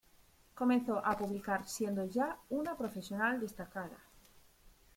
Comenzó a publicar siendo ya una profesional destacada.